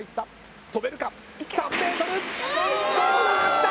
きた！